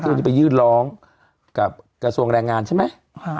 วันนี้ไปยื่นร้องกับกระทรวงแรงงานใช่ไหม